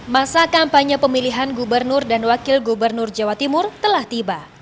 masa kampanye pemilihan gubernur dan wakil gubernur jawa timur telah tiba